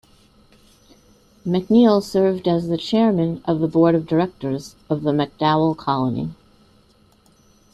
MacNeil served as the Chairman of the Board of Directors of the MacDowell Colony.